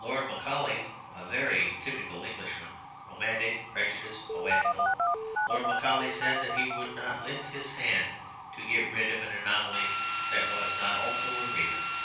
Lord Macaulay (a very typical Englishman, romantic, prejudiced, poetical), Lord Macaulay said that he would not lift his hand to get rid of an anomaly that was not also a grievance.